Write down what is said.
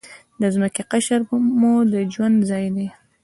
د ځمکې قشر مو د ژوند ځای دی.